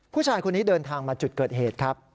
ผู้ชายคนนี้เดินทางมาจุดเกิดเหตุครับ